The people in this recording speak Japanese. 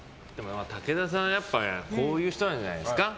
武田さんはやっぱりこういう人なんじゃないですか。